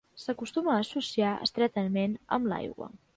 S'acostuma a associar estretament amb l'aigua.